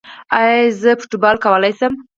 ایا زه فوټبال کولی شم؟